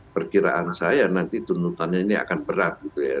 perkiraan saya nanti tuntutannya ini akan berat gitu ya